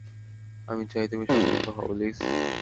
আমি চাই তুমি সংহত হও, লিস।